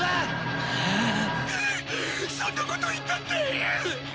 そんなこと言ったって！